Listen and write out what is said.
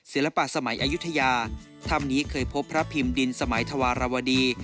ศิลปะสมัยอายุทยาถ้ำนี้เคยพบพระพิมพ์ดินสมัยธวรวดี